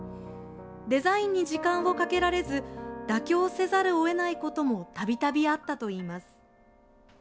デザインに時間をかけられず妥協せざるを得ないこともたびたびあったといいます。